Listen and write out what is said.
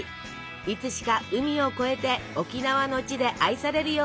いつしか海を越えて沖縄の地で愛されるようになったのです。